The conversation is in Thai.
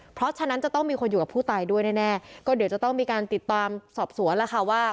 เพราะฉะนั้นจะต้องมีคนอยู่กับผู้ตายด้วยแน่แน่ก็เดี๋ยวจะต้องมีการติดตามสอบสวนแล้วค่ะว่า